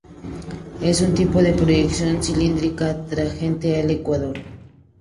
Es un tipo de proyección cilíndrica tangente al ecuador.